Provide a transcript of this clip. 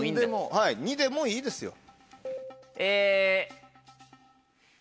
はい２でもいいですよ。